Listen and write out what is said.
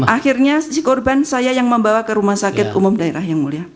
akhirnya si korban saya yang membawa ke rumah sakit umum daerah yang mulia